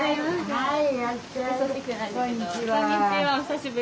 はい。